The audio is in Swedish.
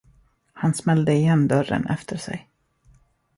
Han smällde igen dörren efter sig.